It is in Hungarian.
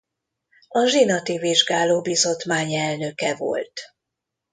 A zsinati vizsgáló bizottmány elnöke volt.